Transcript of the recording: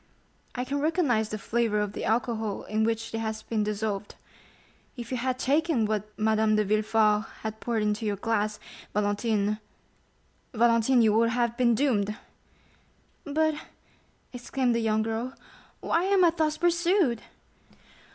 I can recognize the flavor of the alcohol in which it has been dissolved. If you had taken what Madame de Villefort has poured into your glass, Valentine—Valentine—you would have been doomed!" "But," exclaimed the young girl, "why am I thus pursued?"